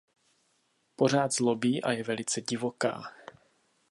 Pořád zlobí a je velice divoká.